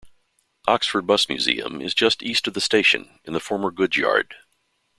Oxford Bus Museum is just east of the station, in the former goods yard.